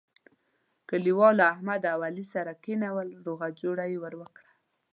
کلیوالو احمد او علي سره کېنول روغه جوړه یې ور وکړه.